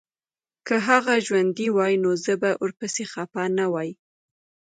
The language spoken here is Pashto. که هغه ژوندی وای نو زه به ورپسي خپه نه وای